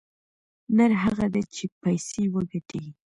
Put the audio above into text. نر هغه دى چې پيسې وگټي.